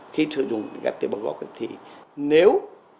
khi sử dụng ghẹp tế bào gốc thì nếu